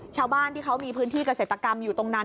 ชาวบ้านที่เขามีพื้นที่เกษตรกรรมอยู่ตรงนั้น